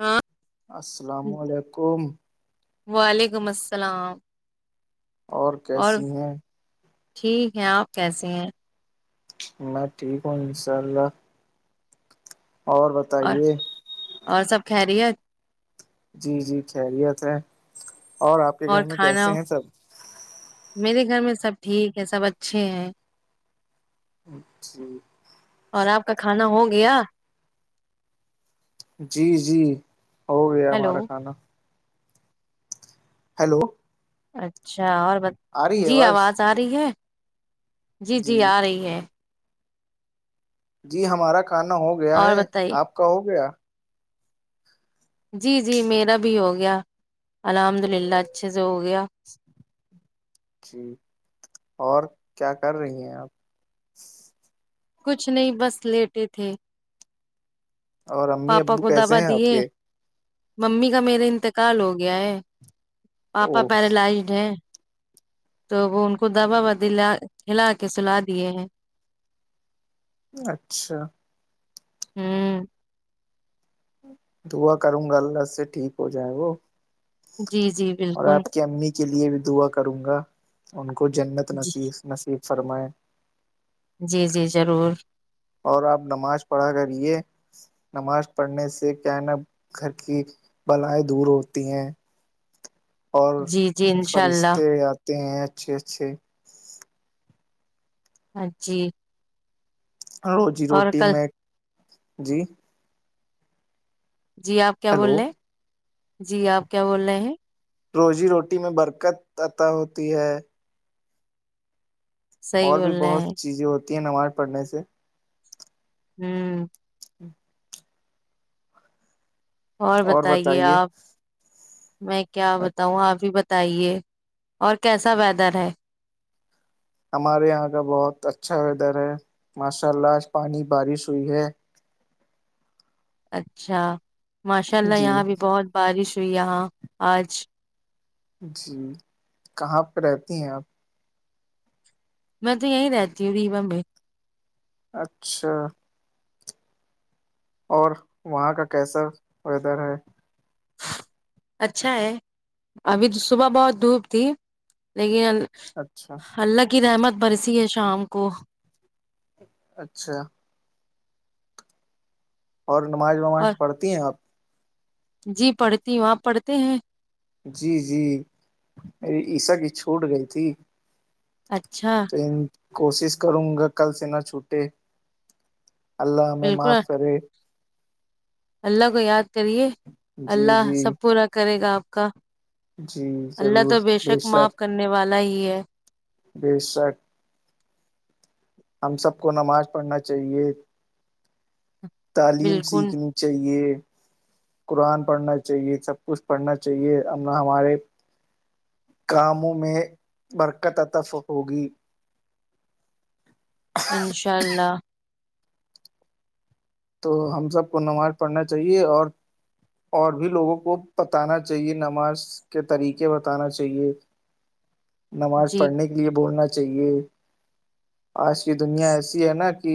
ہاں السلام علیکم وعلیکم السلام اور کیسی ہے آپ ٹھیک ہیں اپ کیسے ہیں میں ٹھیک ہوں انشاءاللہ اور بتائیے اور سب خیریت جی جی خیریت ہے اور کے اور گھر میں کھانا کیسے ہیں سب میرے گھر میں سب ٹھیک ہے سب اچھے ہیں جو اور اپ کا کھانا ہو گیا جی جی ہو گیا ہیلو ہمارا کھانا ہیلو اچھا اور آ بتائیے رہی ہے جی اواز ارہی ہے جی جی ا رہی ہے جی ہمارا کھانا ہو گیا اور ہے بتائیے اپ کا ہو گیا جی جی میرا بھی ہو گیا الحمدللہ اچھے سے ہو گیا اور کیا کر رہی ہیں اپ کچھ نہیں بس لیٹے تھے اور امی پاپا ابو کو کیسے دوا ہیں دی آپ ہے کے ممی کا میرا انتقال ہو گیا ہے پاپا او پیرالائزڈ ہیں تو وہ ان کو دوا بدلہ دلاکے کے سلا دیے ہیں اچھا ہوں دعا کروں گا اللہ سے ٹھیک ہو جائے گا جی جی اور بالکل اپ کی امی کے لیے بھی دعا کروں گا ان کو جنت جی نصیب نصیب فرمائے جی جی ضرور اور اپ نماز پڑھا کر یہ نماز پڑھنے سے کہنا گھر کی بلائیں دور ہوتی ہیں اور جی جی انشاء اللہ فرشتے اتے ہیں اچھے اچھے جی رو جی اور روٹی کل میں جی جی اپ کیا بول ہیلو رہے ہیں جی اپ کیا بول رہے ہیں روزی روٹی میں برکت عطا ہوتی ہے صحیح اور بول بھی رہے ہیں بہت چیزیں ہوتی ہیں نماز پڑھنے سے ہوں اور بتائیے اپ میں کیا بتاؤں اپ بھی بتائیے اور کیسا ویدر ہے ہمارے یہاں کا بہت اچھا ویدر ہے ماشاءاللہ جو پانی بارش ہوئی ہے اچھا ماشاءاللہ جی یہاں بھی بہت بارش ہوئی یہاں اج کہاں پہ رہتی ہیں اپ میں تو یہیں رہتی ہوں اچھا اور وہاں کا کیسا ویدر ہے اچھا ہے ابھی تو صبح بہت دھوپ تھی لیکن اچھا اللہ کی رحمت برسی ہے شام کو اچھا اور اور نماز پڑھتی ہیں اپ جی پڑھتی ہوں اپ پڑھتے ہیں جی جی میری عشاء کی چھوٹ گئی تھی اچھا کوشش کروں گا کل سے نہ چھوٹے اللہ ہمیں بالکل معاف کرے اللہ کو یاد کریے جی اللہ جی سب پورا کرے گا آپ کا جی اللہ ضرور تو بے شک معاف کرنے والا ہی ہے بے شک ہم سب کو نماز پڑھنا چاہیے تعلیم بالکل سیکھنی چاہیے قرآن پڑھنا چاہیے سب کچھ پڑھنا چاہیے ہم ہمارے کاموں میں برکت عطا ہوگی انشاء اللہ تو ہم سب کو نماز پڑھنا چاہیے اور اور بھی لوگوں کو بتانا چاہیے نماز کے طریقے بتانا چاہیے [unintelligible] نماز جی پڑھنے کے لیے بولنا چاہیے آج کی دنیا ایسی ہے نا کہ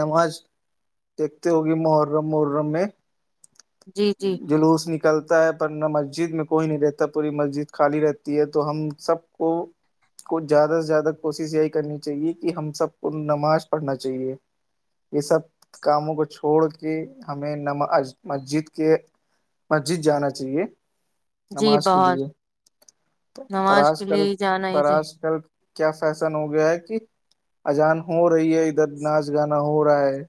نماز دیکھتے ہوگی محرم محرم میں جی جی جلوس نکلتا ہے پر مسجد میں کوئی نہیں رہتا پوری مسجد خالی رہتی ہے تو ہم سب کو کو زیادہ سے زیادہ کوشش یہی کرنی چاہیے کہ ہم سب کو نماز پڑھنا چاہیے یہ سب کاموں کو چھوڑ کے ہمیں نماز مسجد کے مسجد جانا چاہیے جی نماز کے بہت لیے پر نماز آج کے کل لیے ہی جانا ہی پر آج چاہیے کل کیا فیشن ہو گیا ہے کہ اذان ہو رہی ہے ادھر ناچ گانا ہو رہا ہے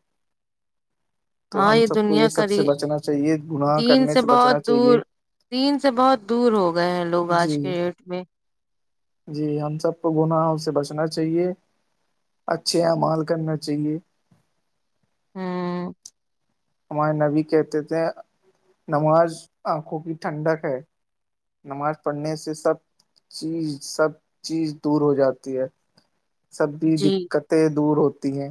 تو ہاں ہم یہ سب کو دنیا سب کری سے بچنا چاہیے گناہ دین کرنے سے بہت بچنا دور چاہیے دین سے بہت دور ہو گئے ہیں لوگ آج جی کے ڈیٹ میں جی ہم سب کو گناہوں سے بچنا چاہیے اچھے اعمال کرنا چاہیے ہ ہمارے نبی کہتے تھے نماز آنکھوں کی ٹھنڈک ہے نماز پڑھنے سے سب سب چیز سب چیز دور ہو جاتی ہے سبھی جی دقتیں دور ہوتی ہیں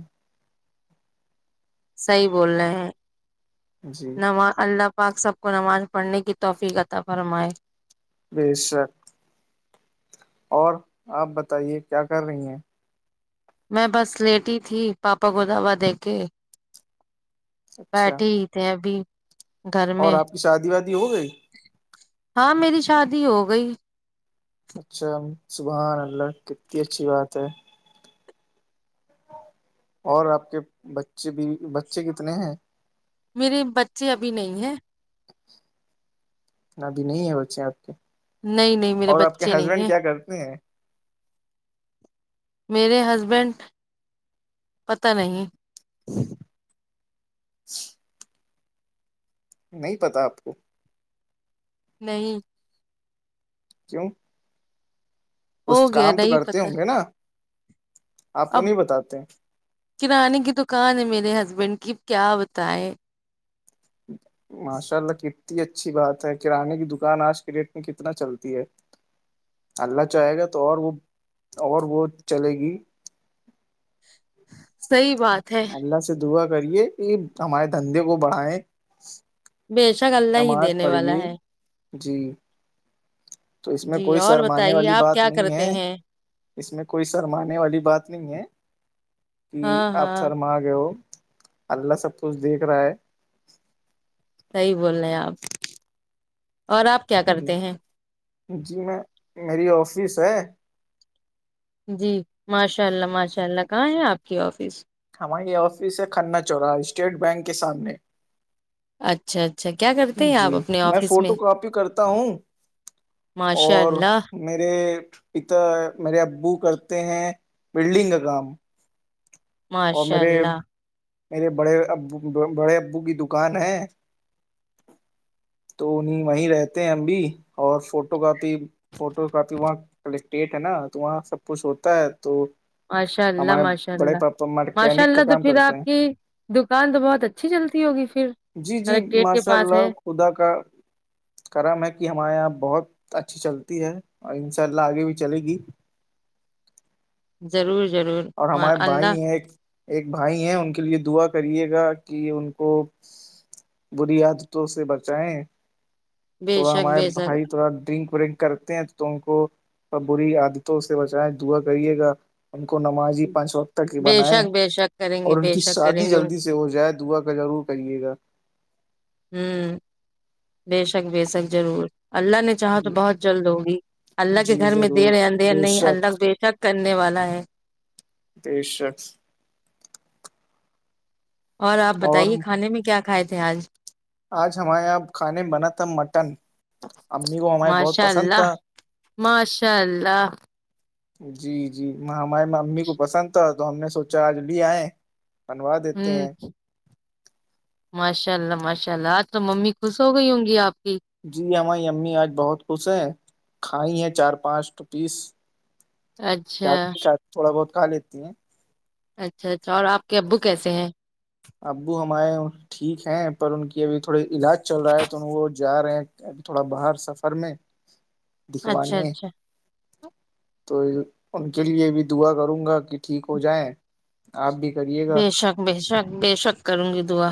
صحیح بول رہے ہیں جی نماز اللہ پاک سب کو نماز پڑھنے کی توفیق عطا فرمائے بے شک اور آپ بتائیے کیا کر رہی ہیں میں بس لیٹی تھی پاپا کو دوا دے کے اچھا بیٹھی ہے ابھی گھر اور میں آپ کی شادی وادی ہو گئی ہاں میری شادی ہو گئی اچھا سبحان اللہ کتنی اچھی بات ہے اور آپ کے بچے بھی بچے کتنے ہیں میرے بچے ابھی نہیں ہیں ابھی نہیں ہے بچے آپ کے نہیں نہیں میرے اور آپ کے بچے نہیں ہسبینڈ ہیں کیا کرتے ہیں میرے ہسبینڈ پتہ نہیں ج نہیں پتا آپ کو نہیں کیوں کچھ ہو گیا کام تو نہیں کرتے پتا ہوں گے نا آپ کو اب نہیں بتاتے کرانے کی دکان ہے میرے ہسبینڈ کی کیا بتائے ماشاء اللہ کتنی اچھی بات ہے کرانے کی دکان آج کے ریٹ میں کتنا چلتی ہے اللہ چاہے گا تو اور وہ اور وہ چلے گی صحیح بات ہے اللہ سے دعا کریے یہ ہمارے دھندے کو بڑھیں بے شک اللہ ہی دینے والا ہے جی تو اس میں جی کوئی اور شرمانے بتائیے والی آپ بات کیا نہیں ہے کرتے ہیں اس میں کوئی شرمانے والی بات نہیں ہے کہ ہاں آپ ہاں شرما گئے ہو اللہ سب کچھ دیکھ رہا ہے صحیح بول رہے ہیں آپ اور آپ کیا کرتے ہیں جی میں میری آفس ہے جی ماشاء اللہ ماشاء اللہ کہاں ہے آپ کی آفس ہماری آفس ہے کھننا چورا ہے اسٹیٹ بینک کے سامنے اچھا اچھا کیا کرتے ہیں آپ جی اپنے آفس میں فوٹو کاپی کرتا ہوں ماشاء اور اللہ میرے پتا میرے ابو کرتے ہیں ولڈنگ کا کام اور ماشاء میرے اللہ میرے بڑے ابو بڑے ابو کی دکان ہے [inaudible] تو انہیں وہیں رہتے ہیں ہم بھی اور فوٹو کاپی فوٹو کاپی وہاں کلیکٹیٹ ہے نا تو وہاں سب کچھ ہوتا ہے تو ماشاء اللہ ہمارے ماشاء بڑے اللہ پاپا ماشاء مکینک کا اللہ تو کام پھر کرتے آپ ہیں کی دکان تو بہت اچھی چلتی ہوگی پھر جی جی کلکٹریٹ کے ماشاء پاس اللہ ہے خدا کا کرم ہے کہ ہمارے یہاں بہت اچھی چلتی ہے اور ان شاء اللہ آگے بھی چلے گی ضرور ضرور اور ما- ہمارے اللہ بھائی ہیں ایک ایک بھائی ہیں ان کے لیے دعا کریے گا کہ ان کو بری عادتوں سے بچائیں بے تھوڑا شک ہمارے بے بھائی شک تھوڑا ڈرنک ک کرتے ہیں تو تم کو بری عادتوں سے بچائیں دعا کریے گا ان نمازی پانچ وقت تک کے بے بنائے شک بے شک کریں گے اور ان بے کی شک کریں شادی گے جلدی سے سے ہو جائے دعا کا ضرور کریے گا ہوں بے شک بے شک ضرور اللہ نے چاہو تو بہت جلد ہوگی اللہ کے جی گھر میں ضرور دیرے اندر بے نہیں اللہ شک بے شک کرنے والا ہے بے شک اور آپ بتائیے کھانے میں کیا کھائے تھے آج آج ہمارے یہاں کھانے بنا تھا مٹن امی کو ہمے بہت ماشاء پسند تھا اللہ ماشاء اللہ جی جی ہمارے امی کو پسند تھا تو ہم نے سوچا آج بھی آئے بنوا دیتے ہیں ہوں ماشاء اللہ ماشاء اللہ تو ممی خوش ہو گئی ہوں گی آپ کی جی ہماری امی آج بہت خوش ہیں کھائی ہیں چار پانچ پیس کیا اچھا آ ش تھوڑا بہت کھا لیتی ہیں اچھا اچھا اور آپ کے ابو کیسے ہیں ابو ہمارئے ٹھیک ہیں پر ان کی ابھی تھوڑے علاج چل رہا ہے تو وہ جا رہے ہیں ابھی تھوڑا باہر سفر میں [inaudible] اچھا دکھوانے اچھا تو ان کے لیے بھی دعا کروں گا کہ ٹھیک ہو جائےیں آپ بھی کریے گا بے شک بے شک بے شک کروں گی دعا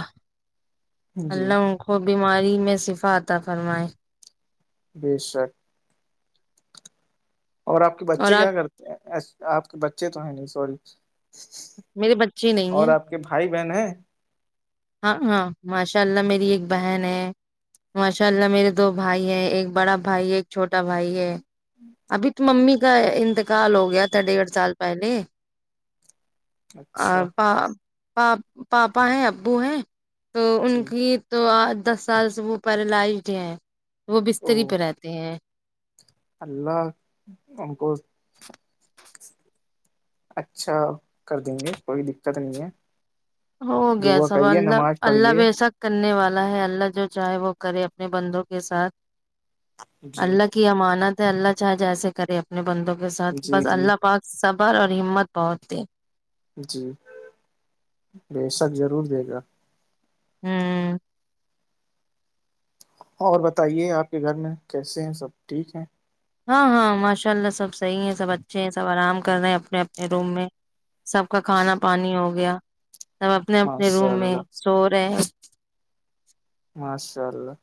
جی اللہ ہوں وہ بیماری میں شفا آتا فرمائے بے شک اور آپ کے اور بچے آپ کیا کرتے ہیں آپ کے بچے تو ہیں نہیں سوری میرے بچے نہیں اور ہیں آپ بھائی بہن ہے ہاں ہاں ماشاء اللہ میری ایک بہن ہے ماشاء اللہ میرے دو بھائی ہیں ایک بڑا بھائی ایک چھوٹا بھائی ہے ابھی تو ممی کا انتقال ہو گیا تھا ڈیڑھ سال پہلے اور اچھا پ پاپا ہے ابو ہیں تو ان جی کی توج دس سال سے وہ پیرالائزڈ ہے وہ او بستری پہ رہتے ہیں اللہ ان کو اچھا کر دیں گے کوئی دقت نہیں ہے ہو گیا دعا سب کریے اللہ نماز اللہ پڑھیے بےشک کرنے والا ہے اللہ جو چاہے وہ کرے اپنے بندوں کے ساتھ جی اللہ کی امانت ہے اللہ چاہے جیسے کرے اپنے بندوں کے ساتھ جی بس جی اللہ پاک صبر اور ہمت بہت دی جی بے شک ضرور دے گا ہوں اور بتائیے آپ کے گھر میں کیسے ہیں سب ٹھیک ہیں ہاں ہاں ماشاء اللہ سب صحیح ہے سب اچھے ہیں سب آرام کر رہے ہیں اپنے اپنے روم میں سب کا کھانا پانی ہو گیا سب اپنے اپنے ماشاء روم میں اللہ سو رہے ماشاء اللہ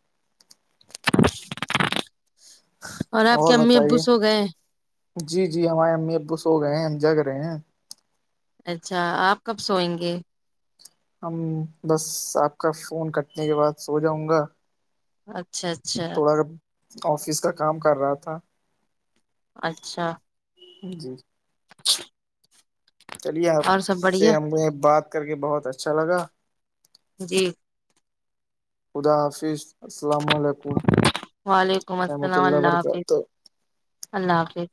[inaudible] آپ کے اور امی ابو بتائیے سو گئے جی جی ہمارے امی ابو سو ہو گئے ہیں ہم جگ رہے ہیں اچھا آپ کب سوئیں گے ہم بس آپ کا فون کٹنے کے بعد سو جاؤں گا اچھا اچھا تھوڑا آفس کا کام کر رہا تھا اچھا جی اچھا چلیے آپ سے بڑھیا ہم نے بات کر کے بہت اچھا لگا جی خدا حافظ السلام علیکم وعلیکم رحمۃ السلام اللہ حافظ وبرکاتہ اللہ حافظ